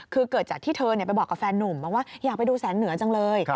คือเกิดจากที่เธอไปบอกกับแฟนนุ่มบอกว่าอยากไปดูแสนเหนือจังเลย